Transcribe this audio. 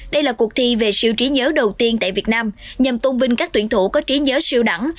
đây là cuộc thi về siêu trí nhớ đầu tiên tại việt nam nhằm tôn vinh các tuyển thủ có trí nhớ siêu đẳng